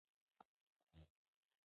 ډاکټران وایي عضلات قوي کول اړین دي.